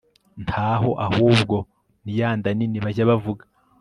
nta ho, ahubwo ni ya nda nini bajya bavuga